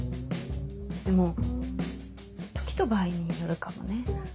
でも時と場合によるかもね。